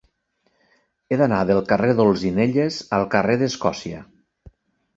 He d'anar del carrer d'Olzinelles al carrer d'Escòcia.